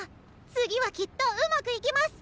次はきっとうまくいきます！